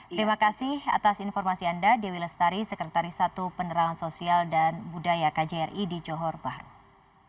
terima kasih atas informasi anda dewi lestari sekretaris satu penerangan sosial dan budaya kjri di johor bandung